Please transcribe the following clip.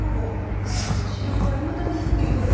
私は視力はいまだに１．５よ。